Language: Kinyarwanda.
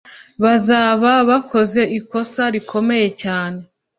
bazaba bakoze ikosa rikomeye cyane